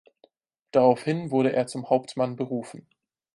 Daraufhin wurde er zum Hauptmann berufen.